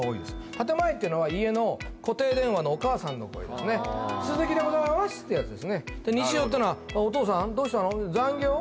建前っていうのは家の固定電話のお母さんの声ですね「鈴木でございます」っていうやつですねで日常っていうのは「お父さんどうしたの？残業？」